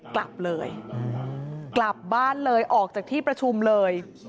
กลับเลยกลับบ้านเลยออกจากที่ประชุมเลย